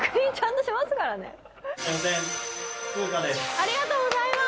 ありがとうございます。